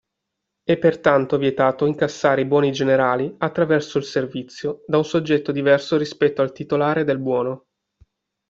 È, pertanto, vietato incassare i buoni generati attraverso il servizio da un soggetto diverso rispetto al titolare del buono.